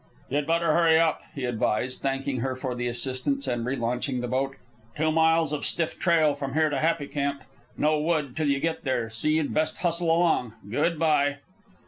"You'd better hurry up," he advised, thanking her for the assistance and relaunching the boat. "Two miles of stiff trail from here to Happy Camp. No wood until you get there, so you'd best hustle along. Good by."